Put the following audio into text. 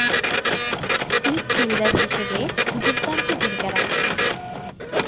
Slip fielder হিসেবে দূর্দান্ত ভূমিকা রাখতেন।